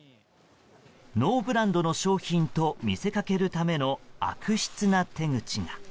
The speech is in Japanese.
ノーブランドの商品と見せかけるための悪質な手口が。